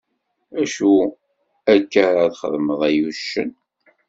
Acu akka ara txeddmeḍ ay uccen?